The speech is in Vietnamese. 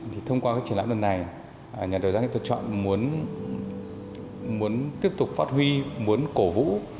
thì thông qua cái triển lãm lần này nhà đầu giá chúng tôi chọn muốn tiếp tục phát huy muốn cổ vũ